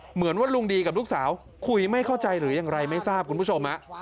เหมือนว่าลุงดีกับลูกสาวคุยไม่เข้าใจหรือยังไรไม่ทราบคุณผู้ชม